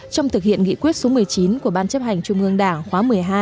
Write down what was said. trong thực hiện nghị quyết số một mươi chín của ban chấp hành trung ương đảng khóa một mươi hai